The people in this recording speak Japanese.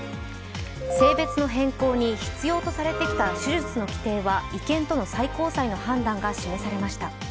性別の変更に必要とされてきた手術の必要性は違憲だという最高裁の判断が示されました。